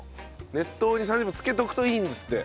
熱湯に３０分漬けておくといいんですって。